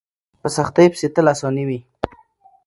په سختۍ پسې تل اساني وي.